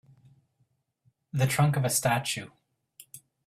The trunk of a statue